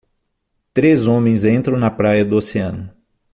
Três homens entram na praia do oceano.